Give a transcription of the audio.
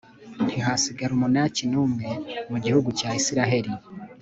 ntihasigara umunaki n'umwe mu gihugu cya israheli